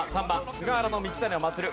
菅原道真をまつる。